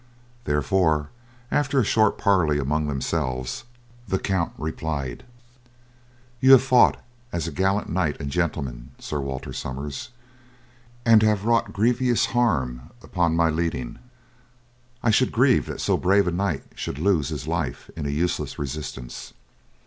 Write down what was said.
Therefore, after a short parley among themselves, the count replied: "You have fought as a gallant knight and gentleman, Sir Walter Somers, and have wrought grievous harm upon my leading. I should grieve that so brave a knight should lose his life in a useless resistance.